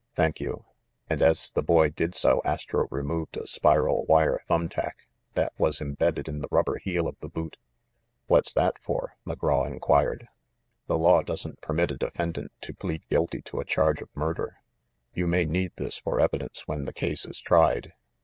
Thank you !" And as the boy did so Astro removed a spiral wire thumb tack that was imbedded in the rubber heel of the boot. "What's that for?" McGraw inquired. "The law doesn't permit a defendant to plead guilty to a charge of murder. You may need this for evi dence when the case is tried."